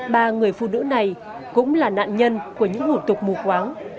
ba người phụ nữ này cũng là nạn nhân của những hủ tục mù quáng